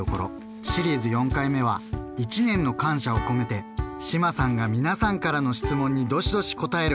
シリーズ４回目は１年の感謝を込めて志麻さんが皆さんからの質問にどしどし答える